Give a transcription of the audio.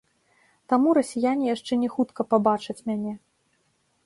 Таму расіяне яшчэ не хутка пабачаць мяне.